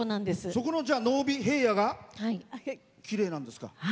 そこの濃尾平野がきれいなんですか？